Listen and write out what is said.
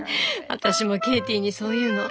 私もケイティにそう言うの。